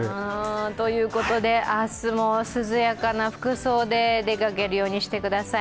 ということで、明日も涼やかな服装で出かけるようにしてください。